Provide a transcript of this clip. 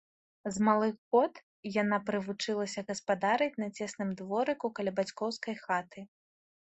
З малых год яна прывучылася гаспадарыць на цесным дворыку, каля бацькаўскай хаты.